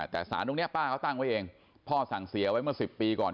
แต่สารตรงนี้ป้าเขาตั้งไว้เองพ่อสั่งเสียไว้เมื่อ๑๐ปีก่อน